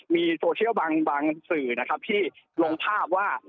มีโซเชียลบางสื่อที่ลงภาพว่า